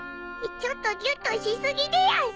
ちょっとぎゅっとし過ぎでやんす。